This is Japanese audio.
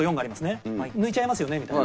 抜いちゃいますよねみたいな。